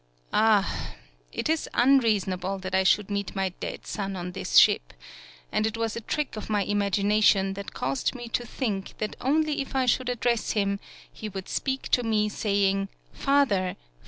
Ah! it is unreasonable that I should meet my dead son on this ship, and it was a trick of my imagination that caused me to think that only if I should address him, he would speak to me saying: "Father!